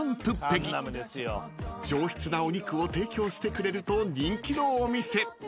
［上質なお肉を提供してくれると人気のお店］